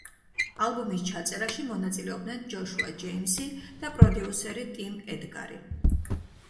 ალბომის ჩაწერაში მონაწილეობდნენ ჯოშუა ჯეიმსი და პროდიუსერი ტიმ ედგარი.